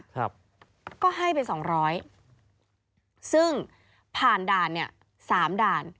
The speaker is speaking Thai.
ครับก็ให้เป็น๒๐๐ซึ่งผ่านด่านเนี่ย๓ด่าน